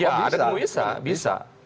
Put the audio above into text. ya ada yang bisa